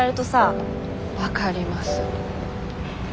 分かります。